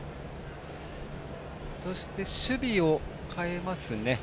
そして、守備を変えますね。